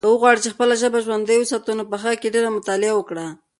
که غواړې چې خپله ژبه ژوندۍ وساتې نو په هغې کې ډېره مطالعه وکړه.